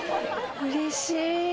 うれしい。